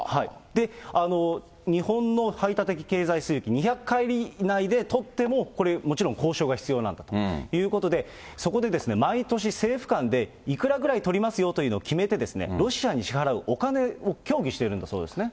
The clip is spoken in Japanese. で、日本の排他的経済水域２００海里内で取っても、これ、もちろん交渉が必要なんだということで、そこで毎年政府間で、いくらぐらい取りますよというのを決めて、ロシアに支払うお金を協議しているんだそうですね。